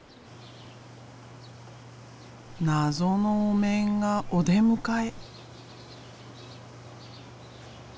謎のお面がお出迎え。